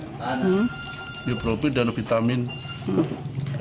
hidrolipin dan vitamin itu apa harapannya konon dengan penyerangan hai keuturan menambah